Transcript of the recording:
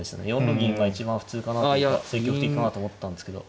４六銀が一番普通かなというか積極的かなと思ったんですけど。